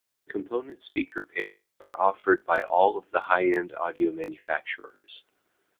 Component speaker pairs are offered by all of the high-end audio manufacturers.